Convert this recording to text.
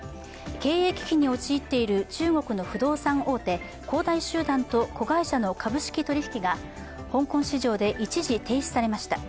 経営危機に陥っている中国の不動産大手恒大集団と子会社の株式取引きが香港市場で一時停止されました。